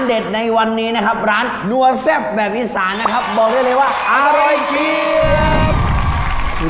บอกได้เลยว่าอร่อยที